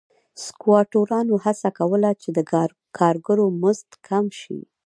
سکواټورانو هڅه کوله چې د کارګرو مزد کم شي.